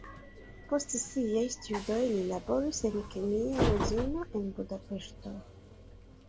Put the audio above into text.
Post siaj studoj li laboris en kemia uzino en Budapeŝto.